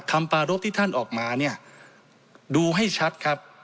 คำปารกที่ท่านออกมาดูให้ชัดครับ